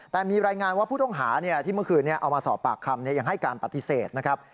แต่มีรายงานว่าผู้ต้องหาที่เมื่อคืนเอามาสอบปากคำยังให้การปฏิเสธนะครับ